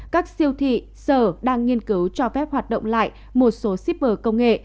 các siêu thị sở đang nghiên cứu cho phép hoạt động lại một số shipper công nghệ